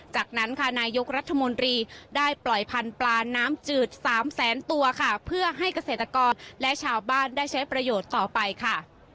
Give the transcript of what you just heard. จากนั้นค่ะนายกรัฐมนตรีได้ปล่อยพันธุ์ปลาน้ำจืดสามแสนตัวค่ะเพื่อให้เกษตรกรและชาวบ้านได้ใช้ประโยชน์ต่อไปค่ะ